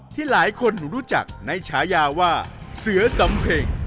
ที่หลายคนรู้จักในฉายาว่าเสือสำเพ็ง